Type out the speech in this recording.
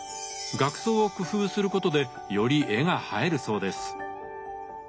額装を工夫することでより絵が映えるそうです。